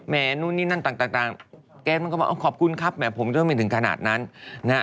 นู่นนี่นั่นต่างแกมันก็บอกขอบคุณครับแหมผมจะไม่ถึงขนาดนั้นนะฮะ